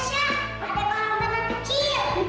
siapa nama orang yang sudah ada di rumahnya